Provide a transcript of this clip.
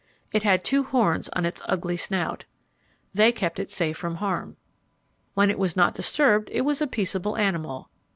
It had two horns on its ugly snout. They kept it safe from harm. When it was not disturbed it was a peaceable animal.